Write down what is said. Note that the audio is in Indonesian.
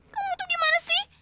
kamu tuh gimana sih